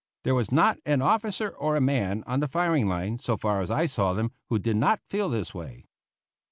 There was not an officer or a man on the firing line, so far as I saw them, who did not feel this way.